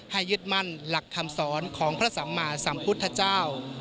ยึดมั่นหลักคำสอนของพระสัมมาสัมพุทธเจ้า